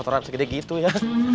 kotoran segede gitu ya